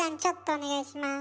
お願いします。